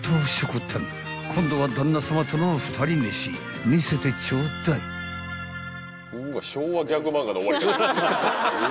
［今度は旦那さまとの２人飯見せてちょうだい］え！